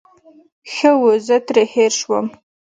ښه وو، زه ترې هېر شوم.